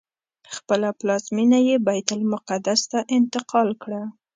خپله پلازمینه یې بیت المقدس ته انتقال کړه.